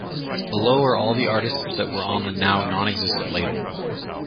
Below are all the artists that were on the now non-existent label.